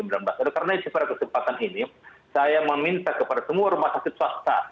karena itu pada kesempatan ini saya meminta kepada semua rumah sakit swasta